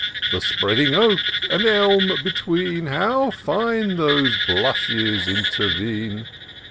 The spreading oak and elm between, How fine those blushes intervene